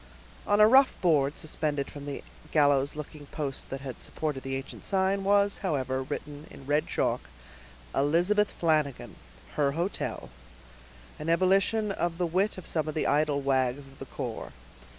On a rough board suspended from the gallows looking post that had supported the ancient sign, was, however, written in red chalk, "Elizabeth Flanagan, her hotel," an ebullition of the wit of some of the idle wags of the corps.